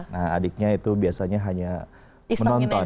nah adiknya itu biasanya hanya menonton